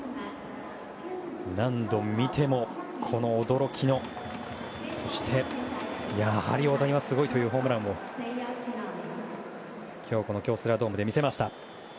何度見ても驚きの、そしてやはり大谷はすごいというホームランを今日、この京セラドームで見せました。